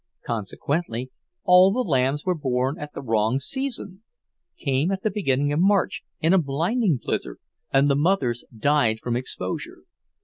Consequently all the lambs were born at the wrong season; came at the beginning of March, in a blinding blizzard, and the mothers died from exposure.